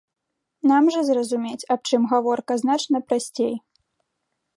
Нам жа зразумець, аб чым гаворка, значна прасцей.